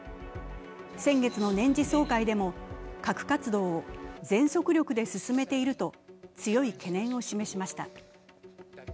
先月の年次総会でも核活動を全速力で進めていると強い懸念を示しました。